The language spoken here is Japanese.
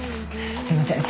すいません。